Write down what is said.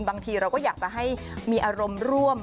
บางทีเราก็อยากจะให้มีอารมณ์ร่วม